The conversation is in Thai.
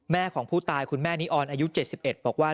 ของผู้ตายคุณแม่นิออนอายุ๗๑บอกว่า